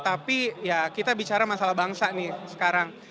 tapi ya kita bicara masalah bangsa nih sekarang